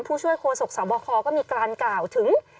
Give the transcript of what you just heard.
ผู้ช่วยโฆษกสบคก็มีการกล่าวถึง